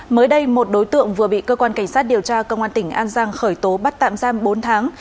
mới đây một đối tượng vừa bị cơ quan cảnh sát điều tra công an tỉnh an giang khởi tố bắt tạm giam bốn tháng